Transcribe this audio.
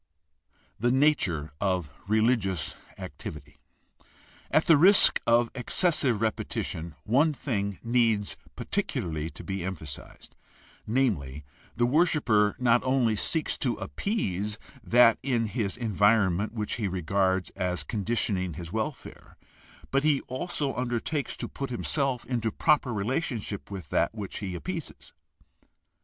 d) The nature of religious activity. — At the risk of excessive repetition one thing needs particularly to be emphasized; namely, the worshiper not only seeks to appease that in his environment which he regards as conditioning his welfare, but he also undertakes to put himself into proper relationship with that which he appeases.